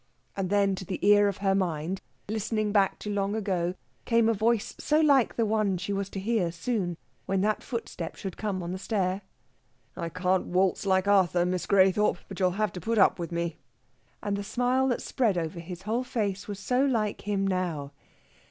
And then to the ear of her mind, listening back to long ago, came a voice so like the one she was to hear soon, when that footstep should come on the stair. "I can't waltz like Arthur, Miss Graythorpe. But you'll have to put up with me." And the smile that spread over his whole face was so like him now.